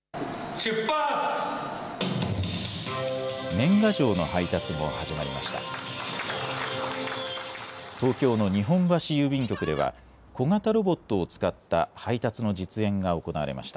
年賀状の配達も始まりました。